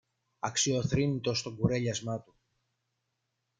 αξιοθρήνητος στον κουρέλιασμα του.